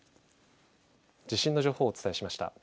地震の情報をお伝えしました。